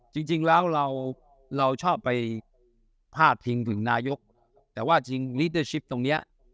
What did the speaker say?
จริงจริงแล้วเราเราชอบไปพลาดถึงถึงนายกแต่ว่าจริงตรงเนี้ย